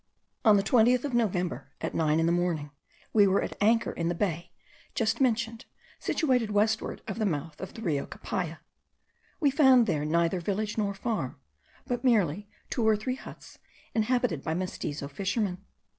On the 20th of November at nine in the morning we were at anchor in the bay just mentioned, situated westward of the mouth of the Rio Capaya. We found there neither village nor farm, but merely two or three huts, inhabited by Mestizo fishermen.